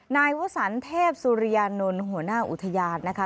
นายวสันเทพสุริยานนท์หัวหน้าอุทยานนะคะ